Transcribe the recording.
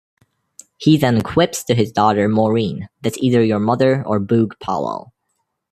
He then quips to his daughter Maureen, that's either your mother or Boog Powell.